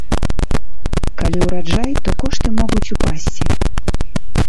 Калі ураджай, то кошты могуць упасці.